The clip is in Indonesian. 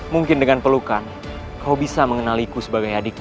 mungkin dengan pelukan kau bisa mengenaliku sebagai adiknya